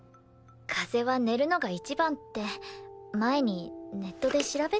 風邪は寝るのが一番って前にネットで調べたから。